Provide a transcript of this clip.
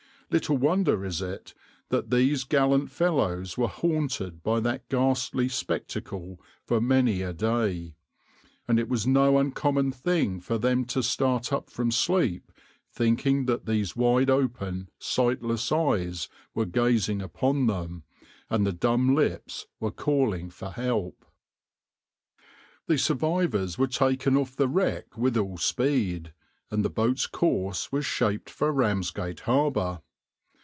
Little wonder is it that these gallant fellows were haunted by that ghastly spectacle for many a day, and it was no uncommon thing for them to start up from sleep, thinking that these wide open, sightless eyes were gazing upon them, and the dumb lips were calling for help.\par The survivors were taken off the wreck with all speed, and the boat's course was shaped for Ramsgate harbour.